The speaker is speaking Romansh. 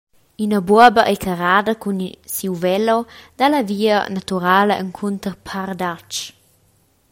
Ina buoba ei carrada cun siu velo dalla via naturala encunter Pardatsch.